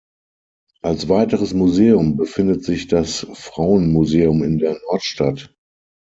Als weiteres Museum befindet sich das Frauenmuseum in der Nordstadt.